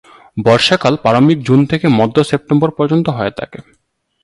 বর্ষাকাল প্রারম্ভিক জুন থেকে মধ্য-সেপ্টেম্বর পর্যন্ত থাকে।